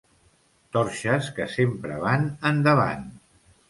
Torxes que sempre van endavant.